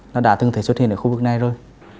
nó đã từng thể xuất hiện ở khu vực này rồi